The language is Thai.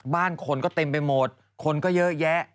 บ้านคนก็เต็มไปหมดคนก็เยอะแยะ